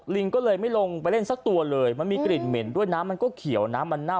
ลิงก็เลยไม่ลงไปเล่นสักตัวเลยมันมีกลิ่นเหม็นด้วยน้ำมันก็เขียวน้ำมันเน่า